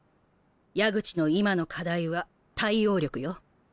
矢口の今の課題は対応力よ。